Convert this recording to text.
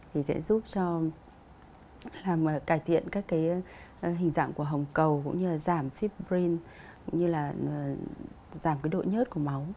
thì cái giúp cho làm cải thiện các cái hình dạng của hồng cầu cũng như là giảm fibrin cũng như là giảm cái độ nhớt của máu